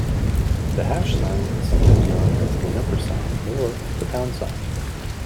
The hash sign is sometimes known as the number sign or the pound sign